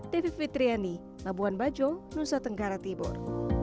david fitriani labuan bajo nusa tenggara tibur